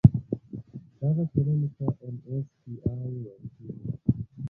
دغه ټولنې ته ان ایس پي اي ویل کیږي.